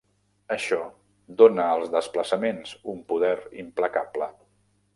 Això dona als desplaçaments un poder implacable.